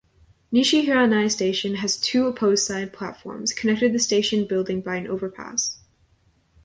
Nishi-Hiranai Station has two opposed side platforms, connected the station building by an overpass.